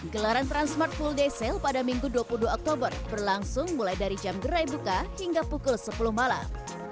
gelaran transmart full day sale pada minggu dua puluh dua oktober berlangsung mulai dari jam gerai buka hingga pukul sepuluh malam